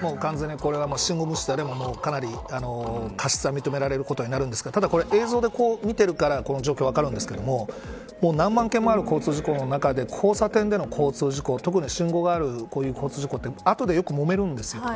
これは信号無視でありかなり過失、認められることになるんですがただ映像で見てるからこの状況、分かるんですけど何万件もある交通事故の中で交差点での交通事故特に信号がある交通事故って後でよくもめるんです。